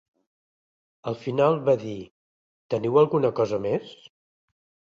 Al final, va dir: "Teniu alguna cosa més?".